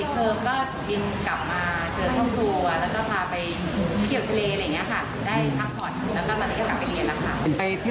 ก็จะต้องแต่งคือกันแล้วก็ขอบคุณพ่อไปสวน